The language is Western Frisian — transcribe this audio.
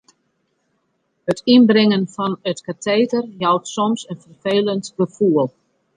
It ynbringen fan it kateter jout soms in ferfelend gefoel.